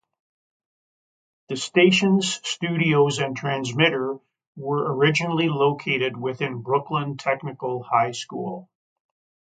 The station's studios and transmitter were originally located within Brooklyn Technical High School.